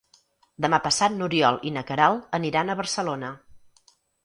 Demà passat n'Oriol i na Queralt aniran a Barcelona.